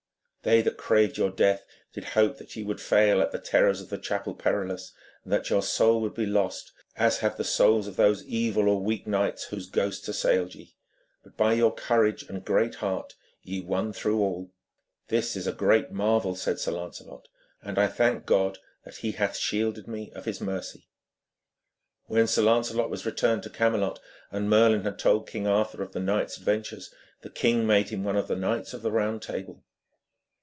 They that craved your death did hope that ye would fail at the terrors of the Chapel Perilous, and that your soul would be lost as have the souls of those evil or weak knights whose ghosts assailed ye. But by your courage and great heart ye won through all.' 'This is a great marvel,' said Sir Lancelot, 'and I thank God that He hath shielded me of His mercy.' When Sir Lancelot was returned to Camelot, and Merlin had told King Arthur of the knight's adventures, the king made him one of the knights of the Round Table.